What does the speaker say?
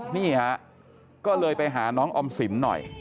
นี่ฮะก็เลยไปหาน้องออมสินหน่อย